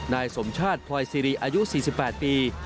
นายสมชาติพลอยซิริอายุ๔๘ปี